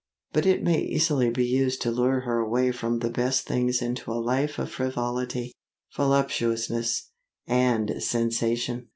But it may easily be used to lure her away from the best things into a life of frivolity, voluptuousness, and sensation.